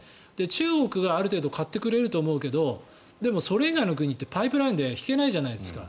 中国がある程度買ってくれると思うけどでもそれ以外の国ってパイプラインで引けないじゃないですか。